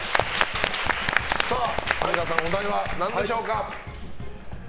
上川さん、お題は何でしょうか。